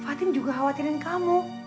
fatim juga khawatirin kamu